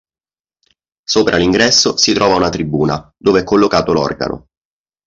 Sopra l'ingresso si trova una tribuna dove è collocato l'organo.